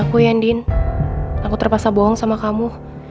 aku ya andin aku terpaksa bohong sama kamu